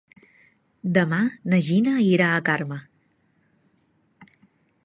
Demà na Gina irà a Carme.